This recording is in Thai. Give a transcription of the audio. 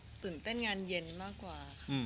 จริงตื่นเต้นงานเย็นมากกว่า